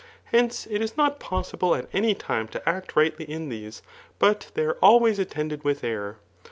Heocs^ it is not possible at any time to act rightly in thes^ boC they are always attended with error.